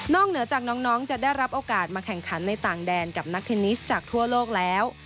เหนือจากน้องจะได้รับโอกาสมาแข่งขันในต่างแดนกับนักเทนนิสจากทั่วโลกแล้ว